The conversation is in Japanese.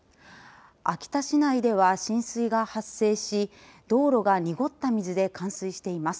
秋田市内では浸水が発生し道路が濁った水で冠水しています。